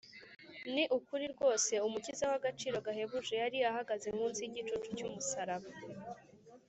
Ni ukuri rwose Umukiza w’agaciro gahebuje yari ahagaze munsi y’igicucu cy’umusaraba